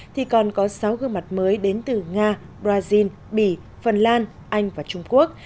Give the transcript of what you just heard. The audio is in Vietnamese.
thì còn có sáu gương mặt mới đến từ nga brazil bỉ phần lan anh và trung quốc